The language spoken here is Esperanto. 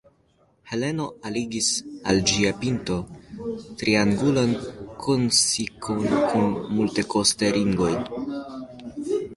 Heleno alligis al ĝia pinto triangulan kosnikon kun multekostaj ringoj.